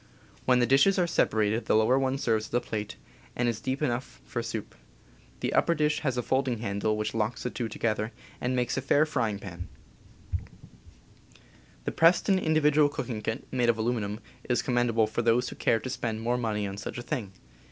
When the dishes are separated the lower one serves as a plate, and is deep enough for soup. The upper dish has a folding handle which locks the two together, and it makes a fair frying pan. 28 CAMPING AND WOODCRAFT The Preston individual cooking kit, made of alumi num, is commendable for those who care to spend more money on such a thing.